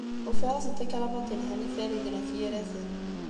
Ufiɣ-as-d takrabaḍt yelhan i Farid n At Yiraten.